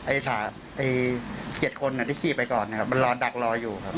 ไอ้สาว๗คนที่ขี้ไปก่อนมันรอดักรออยู่ครับ